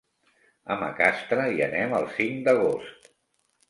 A Macastre hi anem el cinc d'agost.